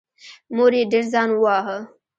مور یې ډېر ځان وواهه.